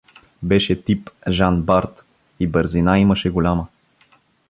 Беше тип Жан-Барт и бързина имаше голяма.